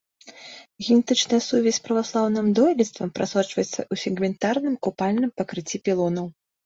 Генетычная сувязь з праваслаўным дойлідствам прасочваецца ў сегментарным купальным пакрыцці пілонаў.